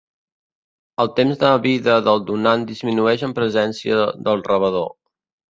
El temps de vida del donant disminueix en presència del rebedor.